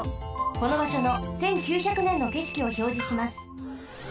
このばしょの１９００ねんのけしきをひょうじします。